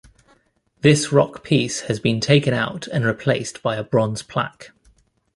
This rock piece has been taken out and replaced by a bronze plaque.